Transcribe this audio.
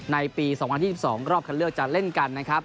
ในปี๒๐๒๒รอบคันเลือกจะเล่นกัน